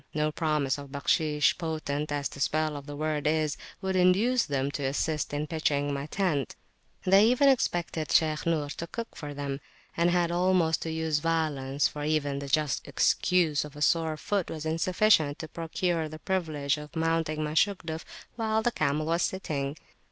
No promise of "Bakhshish," potent as [p.249] the spell of that word is, would induce them to assist in pitching my tent: they even expected Shaykh Nur to cook for them, and I had almost to use violence, for even the just excuse of a sore foot was insufficient to procure the privilege of mounting my Shugduf while the camel was sitting.